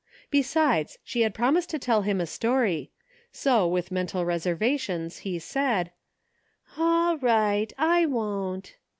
Besides, she had promised to tell him a story, so, with mental reservations, he said: " Aw right, I won't!